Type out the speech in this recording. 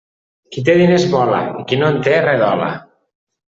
Qui té diners vola i qui no en té redola.